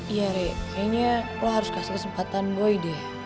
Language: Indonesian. iya ri kayaknya lo harus kasih kesempatan boy deh